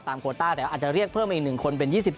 โคต้าแต่อาจจะเรียกเพิ่มอีก๑คนเป็น๒๔